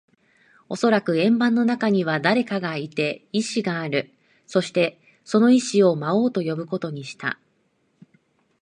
おそらく円盤の中には誰かがいて、意志がある。そして、その意思を魔王と呼ぶことにした。